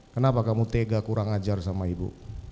kenapa kamu tega kurang ajar sama ibu